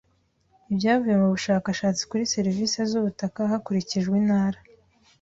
Ibyavuye mu bushakashatsi kuri serivisi z ubutaka hakurikijwe intara